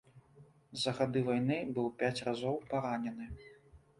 За гады вайны быў пяць разоў паранены.